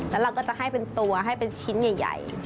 แล้วเราก็จะให้เป็นตัวให้เป็นชิ้นใหญ่